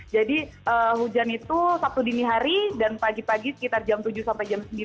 jadi hujan itu sabtu dini hari dan pagi pagi sekitar jam tujuh sampai jam sembilan